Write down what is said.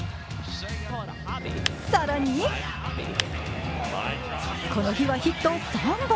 更に、この日はヒット３本。